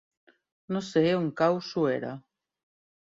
No sé on cau Suera.